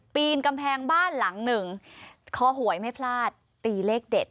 ปีนกำแพงบ้านหลังหนึ่งคอหวยไม่พลาดตีเลขเด็ด